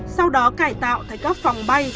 sau đó cải tạo thành các phòng bay